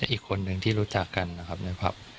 อีกคนนึงที่รู้จักกันนะครับในผับ